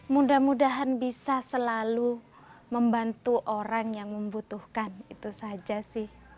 mudah mudahan bisa selalu membantu orang yang membutuhkan itu saja sih